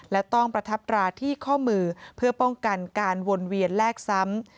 และต้องประทับตราที่ข้อมือเพื่อป้องกันการวนเวียนแลกซ้ำ